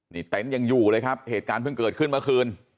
นี่แต่เป็นอยู่เลยครับอะไรเกิดขึ้นมาคืน